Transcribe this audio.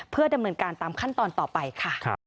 เพื่อดำเนินการตามขั้นตอนต่อไปค่ะ